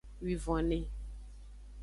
Wivonne.